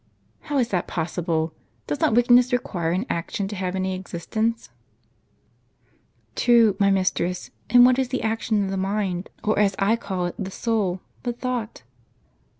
" How is that possible ? Does not wickedness require an action, to have any existence?" "True, my mistress; and what is the action of the mind, or as I call it the soul, but thought